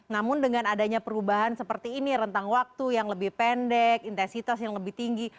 namun dengan adanya perubahan seperti ini rentang waktu yang lebih pendek intensitas yang lebih tinggi